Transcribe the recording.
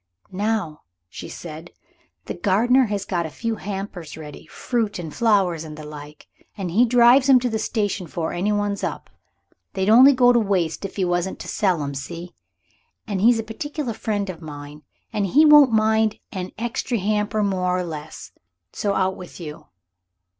"Now," she said, "the gardener he has got a few hampers ready fruit and flowers and the like and he drives 'em to the station 'fore any one's up. They'd only go to waste if 'e wasn't to sell 'em. See? An' he's a particular friend of mine; and he won't mind an extry hamper more or less. So out with you.